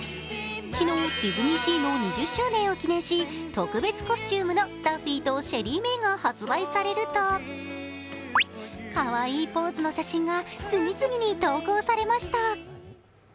昨日、ディズニーシーの２０周年を記念し、特別コスチュームのダッフィーとシェリーメイが発売されるとかわいいポーズの写真が次々に投稿されました。